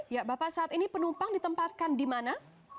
ya bapak saat ini penumpang ditempatkan di mana